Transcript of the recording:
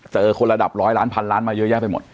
เจอคนระดับร้อยล้านพันล้านมาเยอะแยะไปหมด